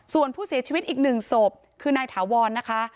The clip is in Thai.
ส่วนผู้เสียชีวิตอีกหนึ่งศพคือนายถาวรนะคะ